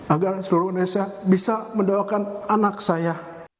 agar seluruh indonesia bisa mendoakan anak saya